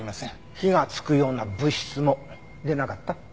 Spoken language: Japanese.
火がつくような物質も出なかった？